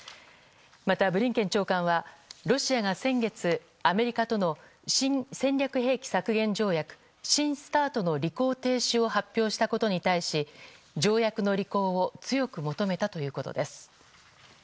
また、ブリンケン長官はロシアが先月アメリカとの新戦略兵器削減条約・新ＳＴＡＲＴの履行停止を発表したことに対し条約の履行を強く求めたということです。